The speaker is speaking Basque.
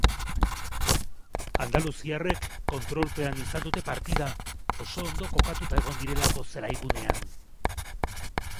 Andaluziarrek kontrolpean izan dute partida, oso ondo kokatuta egon direlako zelaigunean.